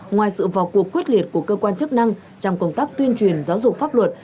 ngoài sự vào cuộc quyết liệt của cơ quan chức năng trong công tác tuyên truyền giáo dục pháp luật